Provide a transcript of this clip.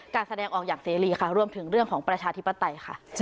แสดงออกอย่างเสรีค่ะรวมถึงเรื่องของประชาธิปไตยค่ะ